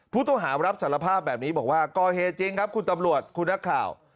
ผู้ต้องหารับสารภาพแบบนี้บอกว่าก่อเหตุจริงครับคุณตำรวจคุณนักข่าว